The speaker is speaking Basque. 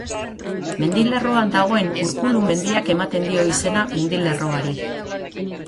Mendilerroan dagoen Urkulu mendiak ematen dio izena mendilerroari.